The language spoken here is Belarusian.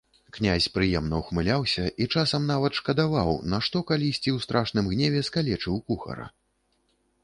Князь прыемна ўхмыляўся і часам нават шкадаваў, нашто калісьці ў страшным гневе скалечыў кухара.